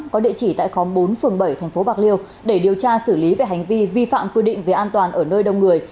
có địa chỉ tại khóm bốn phường bảy tp bạc liêu để điều tra xử lý về hành vi vi phạm quy định về an toàn ở nơi đông người